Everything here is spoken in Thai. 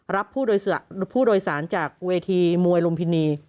รับผู้โดยสารจากเวทีมวยลุมพินี